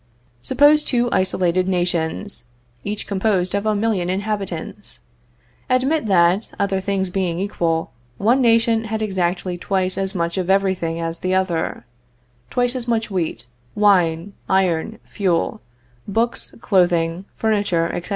Suppose two isolated nations, each composed of a million inhabitants; admit that, other things being equal, one nation had exactly twice as much of everything as the other twice as much wheat, wine, iron, fuel, books, clothing, furniture, etc.